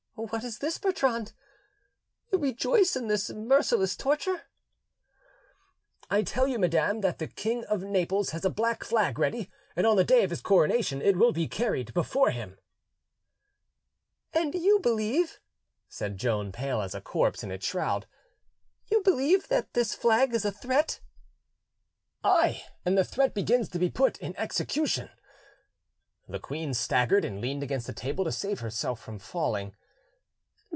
"What is this, Bertrand? You rejoice in this merciless torture." "I tell you, madam, that the King of Naples has a black flag ready, and on the day of his coronation it will be carried before him." "And you believe," said Joan, pale as a corpse in its shroud, "—you believe that this flag is a threat?" "Ay, and the threat begins to be put in execution." The queen staggered, and leaned against a table to save herself from falling.